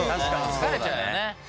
疲れちゃうよね。